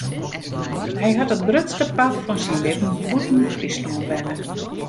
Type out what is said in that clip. Hy hat it grutste part fan syn libben bûten Fryslân wenne.